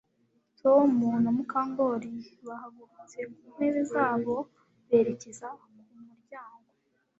Tom na Mukandoli bahagurutse ku ntebe zabo berekeza ku muryango